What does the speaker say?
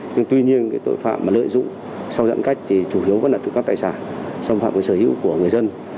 nhưng tuy nhiên tội phạm lợi dụng sau giãn cách thì chủ yếu vẫn là tội phạm tài sản xâm phạm với sở hữu của người dân